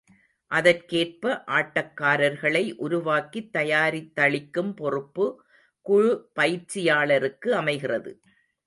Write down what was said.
அதற்கேற்ப ஆட்டக்காரர்களை உருவாக்கித் தயாரித்தளிக்கும் பொறுப்பு குழு பயிற்சியாளருக்கு அமைகிறது.